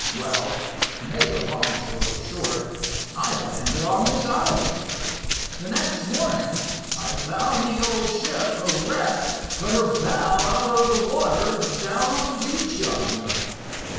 Well, to make a long story short, I landed on this island. The next morning I found the old ship a wreck but her bow out of water, down on the beach yonder.